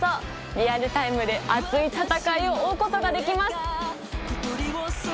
リアルタイムで熱い戦いを追うことができます！